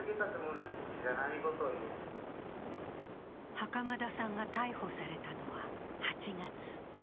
袴田さんが逮捕されたのは８月。